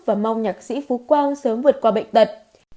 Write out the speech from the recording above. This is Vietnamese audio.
và mong nhạc sĩ phú quang sớm vượt qua bệnh tật